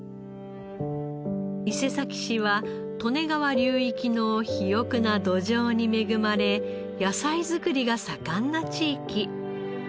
伊勢崎市は利根川流域の肥沃な土壌に恵まれ野菜作りが盛んな地域。